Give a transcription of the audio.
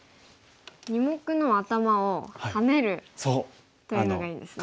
二目のアタマをハネるというのがいいんですね。